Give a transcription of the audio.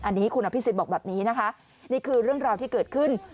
อันนี้คุณอภิษฎบอกแบบนี้นะคะนี่คือเรื่องราวที่เกิดขึ้น